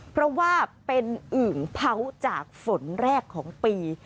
เพราะว่าเป็นอึ่งเผาจากฝนแรกของปี